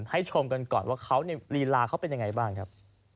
ชมกันก่อนว่าเขาลีลาเขาเป็นยังไงบ้างครับ